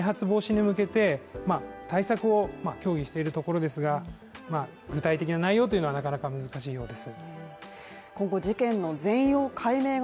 漁協は今再発防止に向けて対策を協議しているところですが、具体的な内容というのはなかなか難しいようです。